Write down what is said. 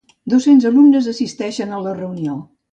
Dos-cents alumnes assisteixen a la reunió.